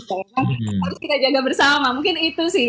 harus kita jaga bersama mungkin itu sih